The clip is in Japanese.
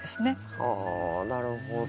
はあなるほど。